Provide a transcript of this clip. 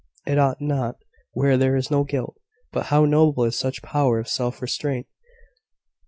"It ought not, where there is no guilt. But how noble is such power of self restraint!